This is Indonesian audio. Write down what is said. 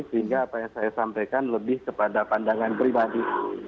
sehingga apa yang saya sampaikan lebih kepada pandangan pribadi